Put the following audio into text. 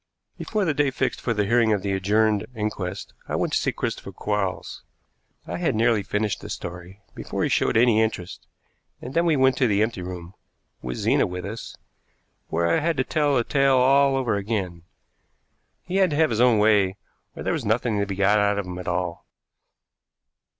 Before the day fixed for the hearing of the adjourned inquest I went to see Christopher Quarles. I had nearly finished the story before he showed any interest, and then we went to the empty room, with Zena with us, where I had to tell the tale all over again. He had to have his own way, or there was nothing to be got out of him at all.